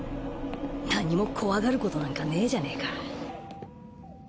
何も怖がることなんかねえじゃねえか